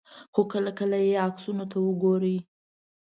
خو کله کله یې عکسونو ته وګورئ.